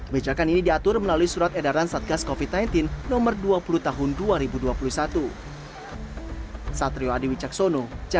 bejakan ini diatur melalui surat edaran satgas covid sembilan belas nomor dua puluh tahun dua ribu dua puluh satu